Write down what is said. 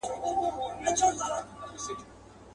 نن رستم د افسانو په سترګو وینم.